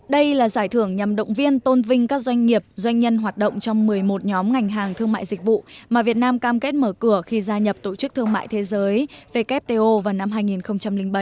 đây là giải thưởng nhằm động viên tôn vinh các doanh nghiệp doanh nhân hoạt động trong một mươi một nhóm ngành hàng thương mại dịch vụ mà việt nam cam kết mở cửa khi gia nhập tổ chức thương mại thế giới wto vào năm hai nghìn bảy